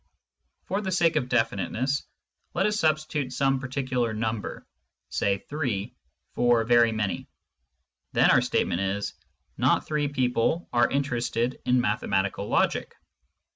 For the sake of definiteness, let us substitute some particular number, say 3, for "very many." Then our statement is, "Not three people are interested in mathematical logic."